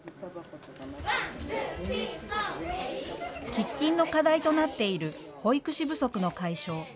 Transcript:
喫緊の課題となっている保育士不足の解消。